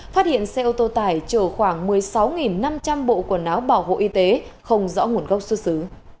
phát hiện xe ô tô tải chở khoảng một mươi sáu năm trăm linh bộ quần áo bảo hộ y tế không rõ nguồn gốc xuất xứ